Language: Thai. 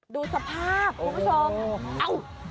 ดูสภาพคุณผู้ชม